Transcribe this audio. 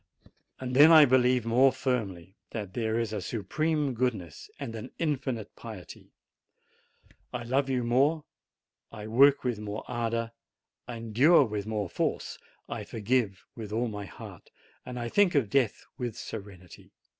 Then I believe more firmly that there is a Supreme goodness and an Infinite pity ; I love you more, I work with more ardor, I endure with more force, I forgive with all my heart, and I think of death with serenity.